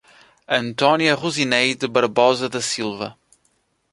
Antônia Rosineide Barbosa da Silva